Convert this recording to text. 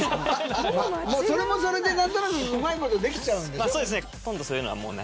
それもそれで何となくうまいことできちゃうんだ。